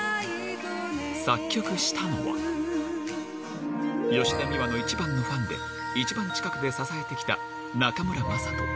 作曲したのは、吉田美和の一番のファンで、一番近くで支えてきた中村正人。